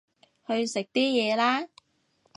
去食啲嘢啦